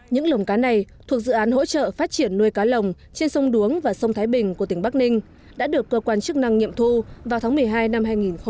những lồng cá này thuộc dự án hỗ trợ phát triển nuôi cá lồng trên sông đuống và sông thái bình của tỉnh bắc ninh đã được cơ quan chức năng nghiệm thu vào tháng một mươi hai năm hai nghìn một mươi bảy